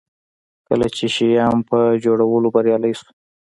کله چې شیام په جوړولو بریالی شو.